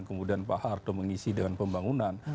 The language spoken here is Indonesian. kemudian pak harto mengisi dengan pembangunan